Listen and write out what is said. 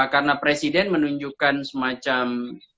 karena presiden menunjukkan semacam